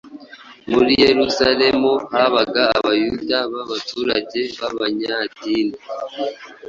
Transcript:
muri Yerusalemu habaga Abayuda b’abaturage b’abanyadini,